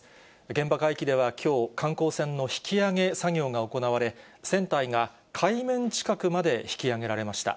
現場海域ではきょう、観光船の引き揚げ作業が行われ、船体が海面近くまで引き揚げられました。